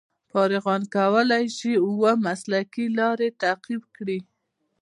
فارغان کولای شي اوه مسلکي لارې تعقیب کړي.